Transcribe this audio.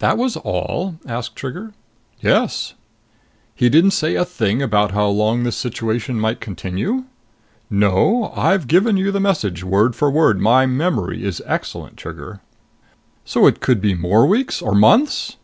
"That was all?" asked Trigger. "Yes." "He didn't say a thing about how long this situation might continue?" "No. I've given you the message word for word. My memory is excellent, Trigger." "So it could be more weeks? Or months?"